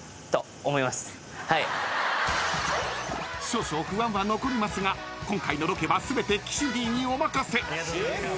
［少々不安は残りますが今回のロケは全て岸Ｄにお任せ］